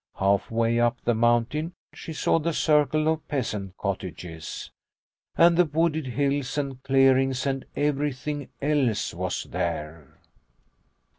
Half way up the moun tain she saw the circle of peasant cottages. And the wooded hills and clearings and every thing else was there.